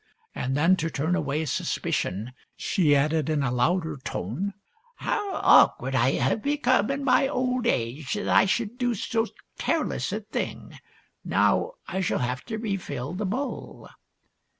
And then, to turn away suspicion, she added in a louder tone, " How awkward I have become in my old age, that I should do so careless a thing ! Now I shall have to refill the bowl."